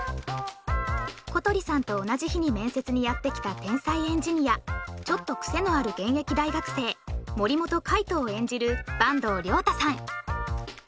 今小鳥さんと同じ日に面接にやってきた天才エンジニアちょっとクセのある現役大学生森本海斗を演じる坂東龍汰さん